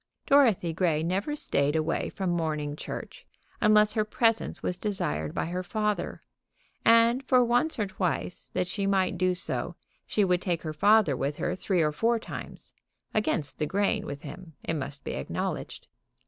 Dorothy Grey never stayed away from morning church unless her presence was desired by her father, and for once or twice that she might do so she would take her father with her three or four times, against the grain with him, it must be acknowledged.